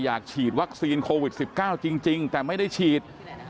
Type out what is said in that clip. อยากฉีดวัคซีนโควิด๑๙จริงแต่ไม่ได้ฉีด